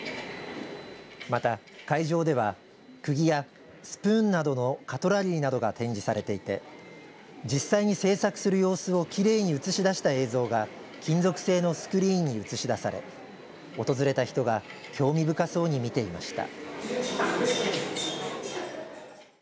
また、会場ではくぎやスプーンなどのカトラリーなどが展示されていて実際に製作する様子をきれいに映し出した映像が金属製のスクリーンに映し出され訪れた人が興味深そうに見ていました。